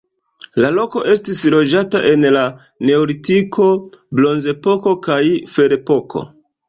La loko estis loĝata en la neolitiko, bronzepoko kaj ferepoko.